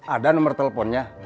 ada nomer teleponnya